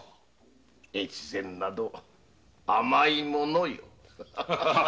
越前など甘いものよ。